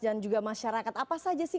dan juga masyarakat apa saja sih